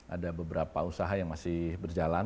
ada beberapa usaha yang masih berjalan